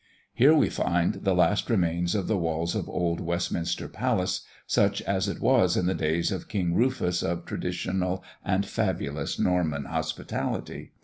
Here we find the last remains of the walls of old Westminster Palace, such as it was in the days of King Rufus of traditional and fabulous Norman hospitality.